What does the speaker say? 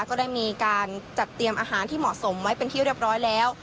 ก็ได้มีการจัดเตรียมอาหารที่เหมาะสมไว้เป็นที่เรียบร้อยแล้ว